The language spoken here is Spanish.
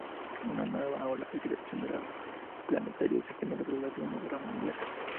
Una nueva ola de creación de planetarios se genera tras la segunda guerra mundial.